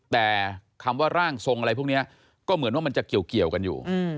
แต่คำว่าร่างทรงอะไรพวกนี้ก็เหมือนว่ามันจะเกี่ยวกันอยู่